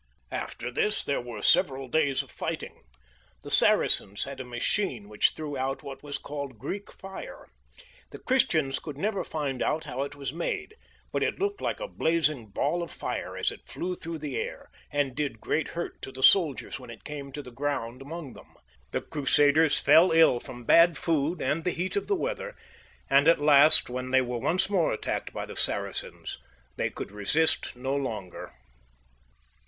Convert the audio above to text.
After this there were several days of fighting. The Saracens had a machine which threw out what was called Greek fire ; the Christians could never find out how it was made, but it looked like a blazing baU of fire as it flew through the air, and did great hurt to the soldiers when it came to the ground amongst them. The Crusaders fell ill from bad food and the heat of the weather ; and at last, when they were once more attacked by the Saracens, they could resist no longer.